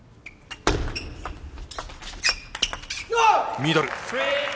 ミドル。